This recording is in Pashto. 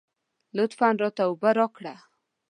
لطفاً راته اوبه راکړه.